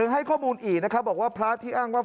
ให้ข้อมูลอีกนะครับบอกว่าพระที่อ้างว่า